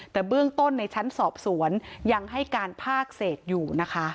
แต่เบื้องต้นในชั้นสอบสวนยังให้การภาคเศษอยู่นะคะ